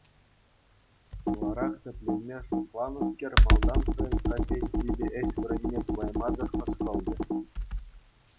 Хуларах тӗпленме шутланӑскер малтан хӑйӗн профессийӗпе ĕç вырӑнӗ тупаймасӑр хӑшкӑлчӗ.